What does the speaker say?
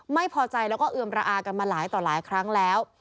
ไม่พอใจแล้วก็เอือมระอากันมาหลายต่อหลายครั้งแล้ว